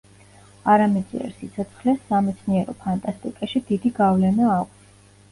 არამიწიერ სიცოცხლეს სამეცნიერო ფანტასტიკაში დიდი გავლენა აქვს.